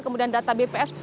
kemudian data bps